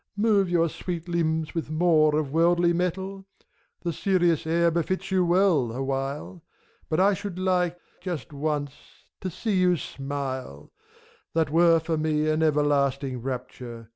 Move your sweet limbs with more of worldly mettle ! The serious air befits you well, awhile, But I should like, just once, to see you smile; That were, for me, an everlasting rapture.